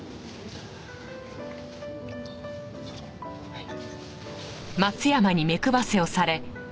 はい。